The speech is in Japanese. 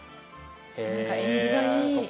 何か縁起がいい。